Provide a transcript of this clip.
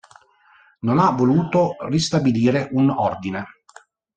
Non ho voluto ristabilire un ordine.